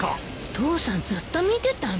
父さんずっと見てたの？